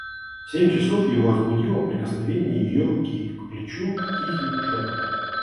В семь часов его разбудило прикосновение ее руки к плечу и тихий шопот.